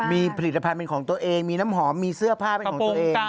มีผลิตภัณฑ์เป็นของตัวเองมีน้ำหอมมีเสื้อผ้าเป็นของตัวเอง